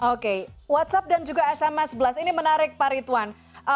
oke whatsapp dan juga sms blast ini menarik pak ritwan